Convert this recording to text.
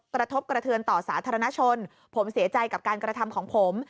กระทบกระเทือนต่อสาธารณชนผมเสียใจกับการกระทำของผม